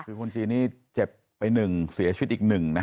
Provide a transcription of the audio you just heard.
คือคนจีนนี่เจ็บไปหนึ่งเสียชิดอีกหนึ่งนะ